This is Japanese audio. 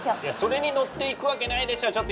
いやそれに乗っていくわけないでしょ！